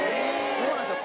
そうなんですよ